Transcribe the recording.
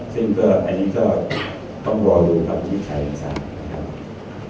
ซึ่งก็อันนี้ก็ต้องรอดูครับที่ไทยที่สามารถนะครับ